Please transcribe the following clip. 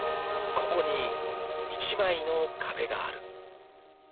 ［ここに１枚の壁がある］